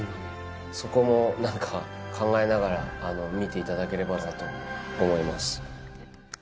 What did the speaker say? そこも何か考えながら見ていただければなと思います